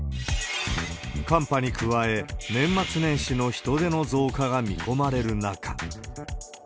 寒波に加え、年末年始の人出の増加が見込まれる中。